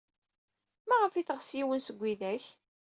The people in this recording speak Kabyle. Maɣef ay teɣs yiwen seg widak?